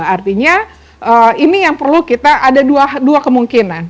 artinya ini yang perlu kita ada dua kemungkinan